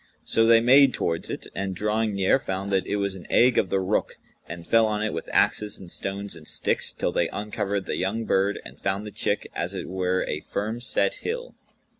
So they made towards it and drawing near, found that it was an egg of the Rukh and fell on it with axes and stones and sticks till they uncovered the young bird and found the chick as it were a firm set hill.